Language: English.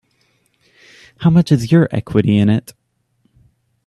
How much is your equity in it?